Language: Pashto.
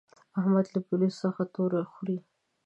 احمد له پوليسو څخه تور خوري.